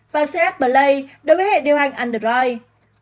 và cs play đối với hệ điều hành android